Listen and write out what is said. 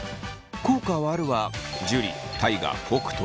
「効果はある」は樹大我北斗。